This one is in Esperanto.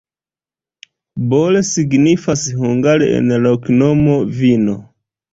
Bor signifas hungare en la loknomo: vino.